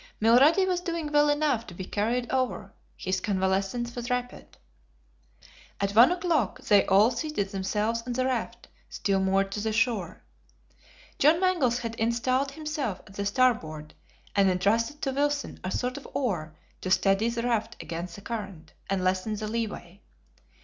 Mulrady was doing well enough to be carried over; his convalescence was rapid. At one o'clock, they all seated themselves on the raft, still moored to the shore. John Mangles had installed himself at the starboard, and entrusted to Wilson a sort of oar to steady the raft against the current, and lessen the leeway.